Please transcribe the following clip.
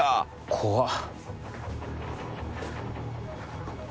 怖っ。